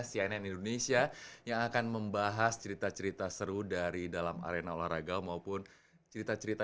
cnn indonesia yang akan membahas cerita cerita seru dari dalam arena olahraga maupun cerita cerita